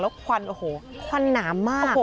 แล้วควันควันน้ำมาก